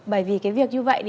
bởi vì việc như vậy